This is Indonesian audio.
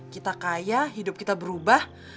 kita kaya hidup kita berubah